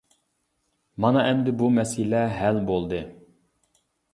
مانا ئەمدى بۇ مەسىلە ھەل بولدى.